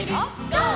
「ゴー！